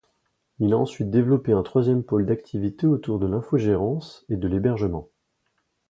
Il a ensuite développé un troisième pôle d’activité autour de l’infogérance et de l’hébergement.